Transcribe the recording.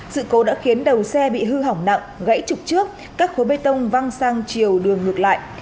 sự cố đã khiến đầu xe bị hư hỏng nặng gãy trục trước các khối bê tông văng sang chiều đường ngược lại